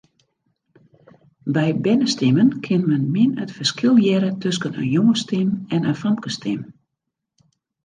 By bernestimmen kin men min it ferskil hearre tusken in jongesstim en in famkesstim.